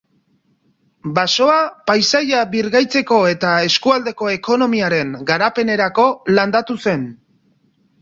Basoa paisaia birgaitzeko eta eskualdeko ekonomiaren garapenerako landatu zen.